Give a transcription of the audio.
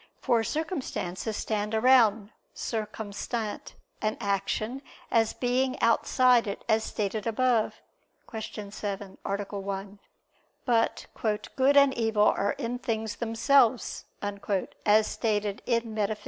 For circumstances stand around (circumstant) an action, as being outside it, as stated above (Q. 7, A. 1). But "good and evil are in things themselves," as is stated in _Metaph.